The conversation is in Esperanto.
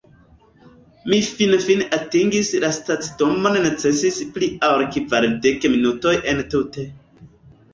Mi finfine atingis la stacidomon necesis pli ol kvardek minutoj entute